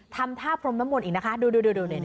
ทำท่าพรมน้ำมนต์อีกนะคะดู